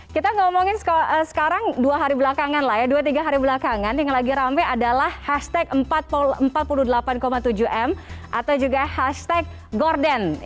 kita ngomongin sekarang dua hari belakangan lah ya dua tiga hari belakangan yang lagi rame adalah hashtag empat puluh delapan tujuh m atau juga hashtag gorden